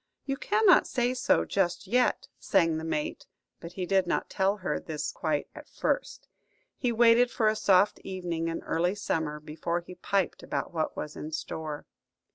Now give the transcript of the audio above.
"You cannot say so just yet," sang the mate; but he did not tell her this quite at first. He waited for a soft evening in early summer before he piped about what was in store.